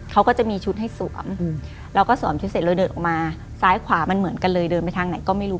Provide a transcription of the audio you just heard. เขาก็จะมีชุดให้สวมเราก็สวมชุดเสร็จเราเดินออกมาซ้ายขวามันเหมือนกันเลยเดินไปทางไหนก็ไม่รู้